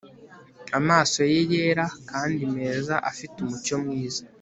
amaso ye yera kandi meza afite umucyo mwiza